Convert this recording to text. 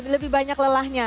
lebih banyak lelahnya